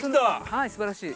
はいすばらしい。